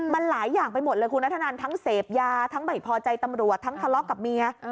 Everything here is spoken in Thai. มันหลายอย่างไปหมดเลยคุณนัทนันทั้งเสพยาทั้งไม่พอใจตำรวจทั้งทะเลาะกับเมีย